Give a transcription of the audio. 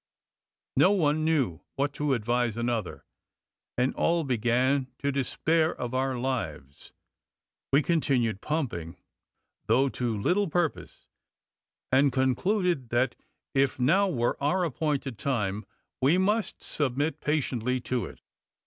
No one knew what to advise another, and all began to despair of their lives: we continued pumping, though to little purpose, and concluded, that if now were our appointed time, we must submit patiently to it.